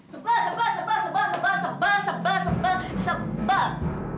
sebab sebab sebab sebab sebab sebab sebab sebab